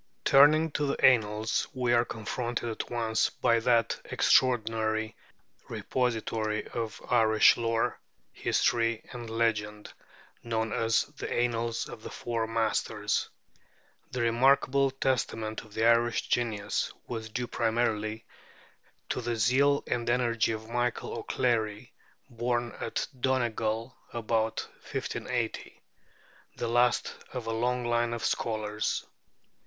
Turning to the Annals, we are confronted at once by that extraordinary repository of Irish lore, history, and legend known as 'The Annals of the Four Masters.' This remarkable testament of the Irish genius was due primarily to the zeal and energy of Michael O'Clery, born at Donegal about 1580 the last of a long line of scholars.